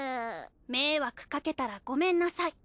迷惑かけたらごめんなさい！